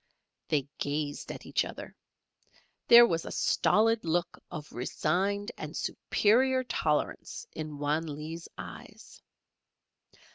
They gazed at each other. There was a stolid look of resigned and superior tolerance in Wan Lee's eyes.